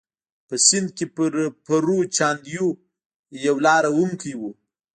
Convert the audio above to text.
په سند کې پرو چاندیو یو لاره وهونکی و.